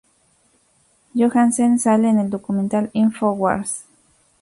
Johansen sale en el documental "Info wars".